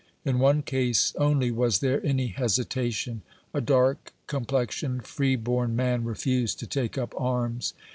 In one case, only, was there ai y hesitation. A dark complexioned free born man refused to take up arms.